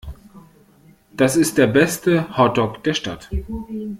Das ist der beste Hotdog der Stadt.